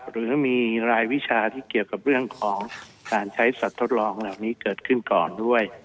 หรือมีรายวิชาที่เกี่ยวกับเรื่องของการใช้สัตว์ทดลองเหล่านี้เกิดขึ้นก่อนด้วย